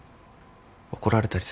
怒られたりする？